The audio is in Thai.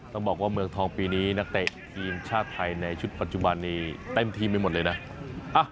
ต้องบอกว่าเมืองทองปีนี้นักเตะทีมชาติไทยในชุดปัจจุบันนี้เต็มทีมไปหมดเลยนะ